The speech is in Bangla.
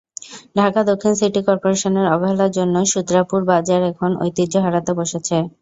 ঢাকা দক্ষিণ সিটি করপোরেশনের অবহেলার জন্য সূত্রাপুর বাজার এখন ঐতিহ্য হারাতে বসেছে।